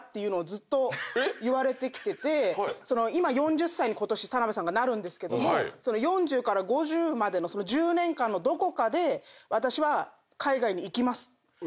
ずっと言われてきてて４０歳にことし田辺さんがなるんですけども「４０から５０までの１０年間のどこかで私は海外に行きます」